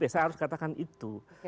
saya harus katakan itu